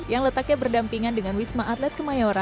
yang letaknya berdampingan dengan wisma atlet kemayoran